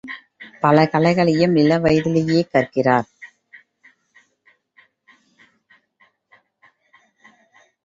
பல கலைகளையும் இளவயதிலேயே கற்கிறார்.